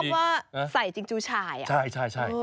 ที่ฉันชอบว่าใส่จิงจู้ชาย